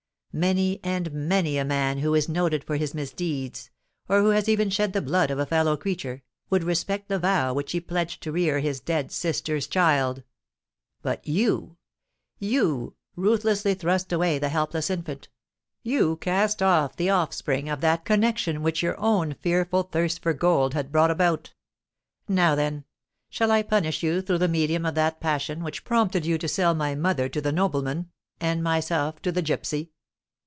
Many and many a man who is noted for his misdeeds—or who has even shed the blood of a fellow creature—would respect the vow which he pledged to rear his dead sister's child. But you—you ruthlessly thrust away the helpless infant,—you cast off the offspring of that connexion which your own fearful thirst for gold had brought about! Now, then, shall I punish you through the medium of that passion which prompted you to sell my mother to the nobleman, and myself to the gipsy!"